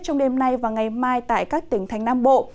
trong đêm nay và ngày mai tại các tỉnh thành nam bộ